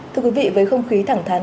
thưa quý vị với không khí thẳng thán